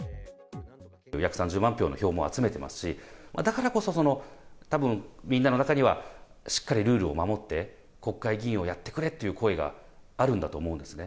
約３０万票の票も集めていますし、だからこそ、たぶん、みんなの中には、しっかりルールを守って国会議員をやってくれという声があるんだと思うんですね。